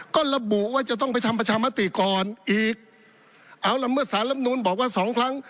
ก็ระบุว่าจะต้องไปชำประชามติกรอีกเอาล่ะมาศาลับนูลบอกว่าสองครั้ง